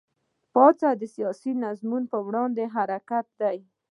پاڅون د سیاسي نظام په وړاندې حرکت دی.